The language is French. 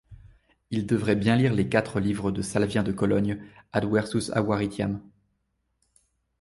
Il devrait bien lire les quatre livres de Salvien de Cologne Adversus avaritiam.